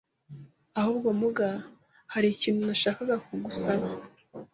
Ahubwo Muga hari ikintu nashakaga kugusaba